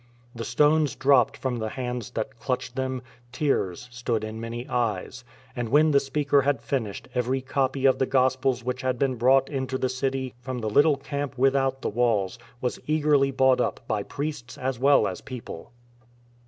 The stones dropped from the hands that clutched them, tears stood in many eyes, and when the speaker had finished every copy of the Gospels which had been brought into the city from the little camp without the walls >vas eagerly bought up by priests as well as people.